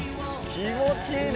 気持ちいいね。